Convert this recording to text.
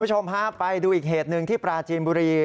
ผู้ชมครับไปดูอีกเหตุหนึ่งที่ปราจินบุรี